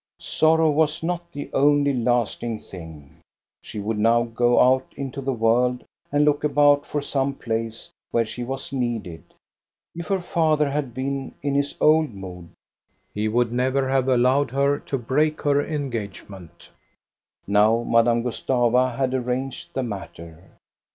Sorrow was not the only lasting thing. She would now go out into the world and look about for some place where she was needed. If her father had been in his old mood, he would never have allowed her to break her engagement Now Madame Gustava had arranged the matter.